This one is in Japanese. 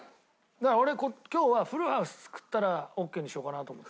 だから俺今日はフルハウス作ったらオーケーにしようかなと思って。